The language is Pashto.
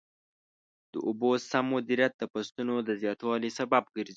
د اوبو سم مدیریت د فصلونو د زیاتوالي سبب ګرځي.